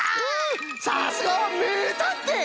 さすがはめいたんてい！